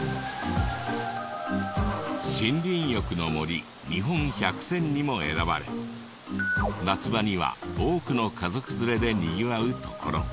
森林浴の森日本１００選にも選ばれ夏場には多くの家族連れでにぎわう所。